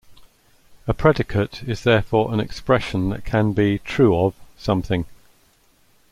A predicate is therefore an expression that can be "true of" something.